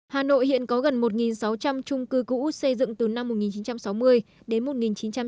hà nội hiện có gần một sáu trăm linh trung cư cũ xây dựng từ năm một nghìn chín trăm sáu mươi đến một nghìn chín trăm tám mươi